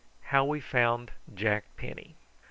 HOW WE FOUND JACK PENNY.